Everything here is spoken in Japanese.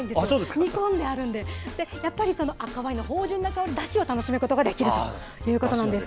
煮込んであるんで、やっぱり赤ワインの芳醇なだしを楽しむことができるということなんです。